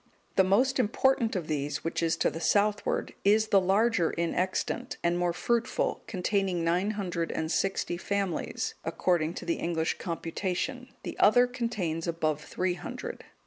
(209) The more important of these, which is to the southward, is the larger in extent, and more fruitful, containing nine hundred and sixty families, according to the English computation; the other contains above three hundred.